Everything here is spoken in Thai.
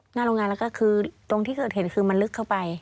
หน้าโรงงานแล้วก็คือตรงที่เกิดเหตุคือมันลึกเข้าไป